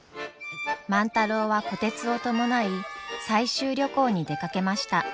万太郎は虎鉄を伴い採集旅行に出かけました。